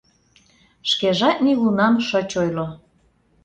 Шкежат нигунам шыч ойло.